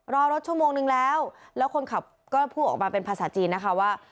รอรถชั่วโมงนึงแล้วแล้วคนขับก็พูดออกมาเป็นภาษาจีนนะคะว่า